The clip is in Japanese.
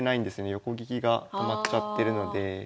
横利きが止まっちゃってるので。